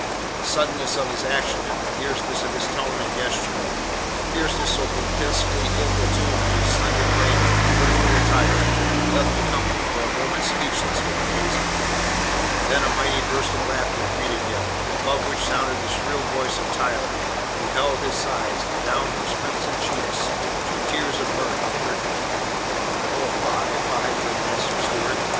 The suddenness of his action and the fierceness of his tone and gesture a fierceness so grotesquely ill attuned to his slender frame and clerkly attire left the company for a moment speechless with amazement. Then a mighty burst of laughter greeted him, above which sounded the shrill voice of Tyler, who held his sides, and down whose crimson cheeks two tears of mirth were trickling. "Oh, fie, fie, good Master Stewart!"